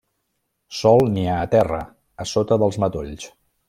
Sol niar a terra, a sota dels matolls.